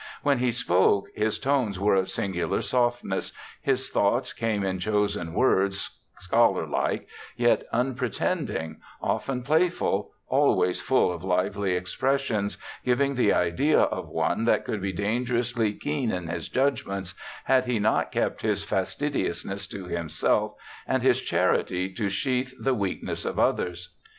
When he spoke his tones were of singular softness, his thoughts came in chosen words, scholarlike, yet unpretending, often play ful, always full of lively expressions, giving the idea of one that could be dangerously keen in his judgements, had he not kept his fastidiousness to himself, and his charity to sheathe the weakness of others.